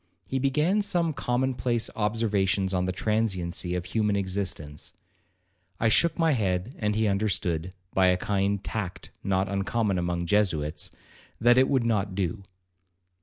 He began some common place observations on the transiency of human existence. I shook my head, and he understood, by a kind of tact not uncommon among Jesuits, that it would not do.